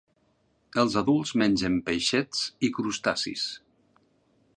Els adults mengen peixets i crustacis.